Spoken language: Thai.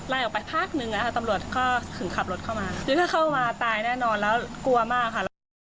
ไล่ออกไปพักนึงตำรวจก็ถึงขับรถเข้ามาถึงเข้ามาตายแน่นอนแล้วกลัวมากค่ะ